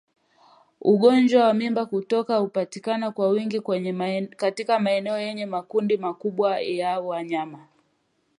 Ugonjwa wa mimba kutoka hupatikana kwa wingi katika maeneo yenye makundi makubwa ya wanyama